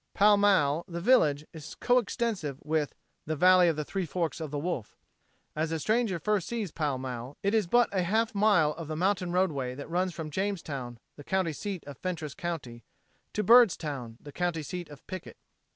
Pall Mall, the village, is co extensive with the "Valley of the Three Forks o' the Wolf." As a stranger first sees Pall Mall it is but a half mile of the mountain roadway that runs from Jamestown, the county seat of Fentress county, to Byrdstown, the county seat of Pickett.